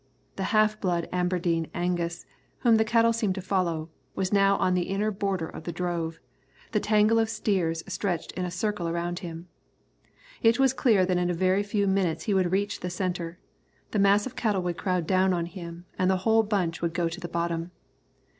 The half blood Aberdeen Angus, whom the cattle seemed to follow, was now on the inner border of the drove, the tangle of steers stretched in a circle around him. It was clear that in a very few minutes he would reach the centre, the mass of cattle would crowd down on him, and the whole bunch would go to the bottom.